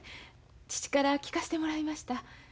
父から聞かしてもらいました。